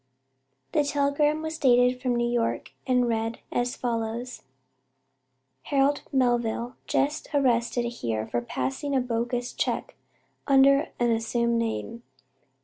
The telegram was dated from New York and read as follows: "Harold Melville just arrested here for passing a bogus check under an assumed name.